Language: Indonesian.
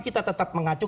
kita tetap mengacu